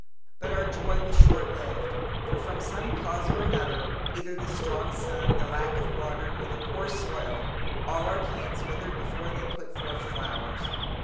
But our joy was short lived, for from some cause or another, either the strong sun, the lack of water, or the poor soil, all our plants withered before they put forth flowers.